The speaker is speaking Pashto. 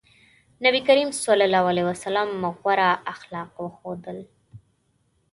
نبي کريم ص غوره اخلاق وښودل.